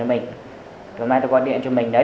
hôm nay tôi qua điện cho mình đấy